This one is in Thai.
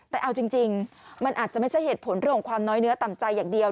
แต่เอาจริงมันอาจจะไม่ใช่เหตุผลเรื่องของความน้อยเนื้อต่ำใจอย่างเดียว